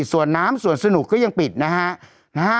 ส่วนน้ำส่วนสนุกก็ยังปิดนะฮะ